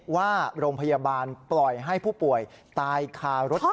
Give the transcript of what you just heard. ว่าโรงพยาบาลปล่อยให้ผู้ป่วยตายคารถ